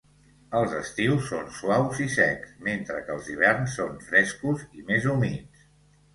Els estius són suaus i secs, mentre que els hiverns són frescos i més humits.